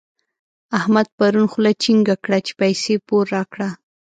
احمد پرون خوله چينګه کړه چې پيسې پور راکړه.